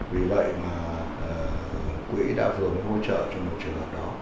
vì vậy mà quỹ đã vừa mới hỗ trợ cho một trường hợp đó